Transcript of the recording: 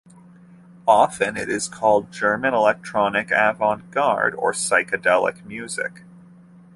Often it is called German electronic avant-garde, or psychedelic music.